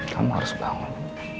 kamu harus bangun